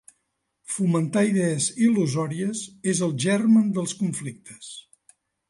Fomentar idees il·lusòries és el germen dels conflictes.